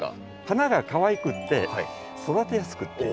花がかわいくって育てやすくって。